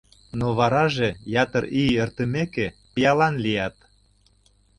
Но вараже, ятыр ий эртымеке, пиалан лият.